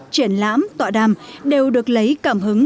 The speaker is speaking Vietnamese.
triển lãm tọa đàm đều được lấy cảm hứng